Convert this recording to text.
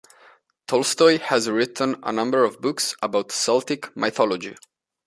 Tolstoy has written a number of books about Celtic mythology.